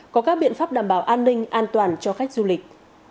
có các biện pháp đảm bảo an ninh an toàn cho khách du lịch